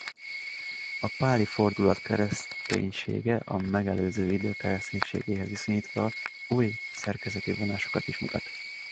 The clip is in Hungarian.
A páli fordulat kereszténysége a megelőző idők kereszténységéhez viszonyítva új szerkezeti vonásokat is mutat.